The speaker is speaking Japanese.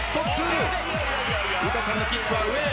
詩さんのキックは上へ。